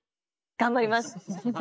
頑張ります！